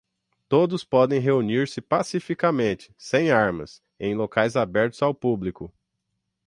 todos podem reunir-se pacificamente, sem armas, em locais abertos ao público